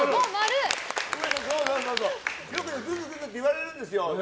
よく、グズ、グズって言われるんですよ。